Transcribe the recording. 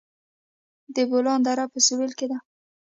د بولان دره په سویل کې ده